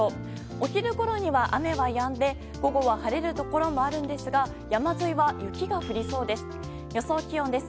お昼ごろには雨はやんで午後は晴れるところもありますが山沿いは雪が降りそうです。